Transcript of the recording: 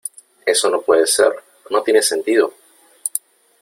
eso no puede ser , no tiene sentido .